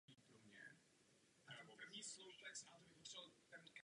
Poté šla studovat film a psychologii na Univerzitu Jižní Kalifornie.